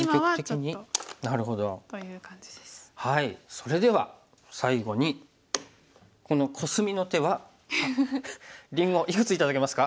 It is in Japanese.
それでは最後にこのコスミの手はりんごいくつ頂けますか？